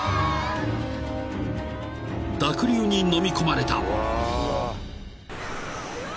［濁流にのみ込まれた］